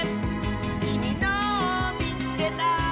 「きみのをみつけた！」